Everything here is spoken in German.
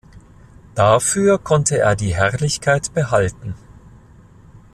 Dafür konnte er die Herrlichkeit behalten.